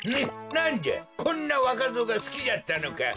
なんじゃこんなわかぞうがすきじゃったのか！